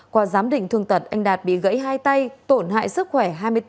qua giám định thương tật anh đạt bị gãy hai tay tổn hại sức khỏe hai mươi bốn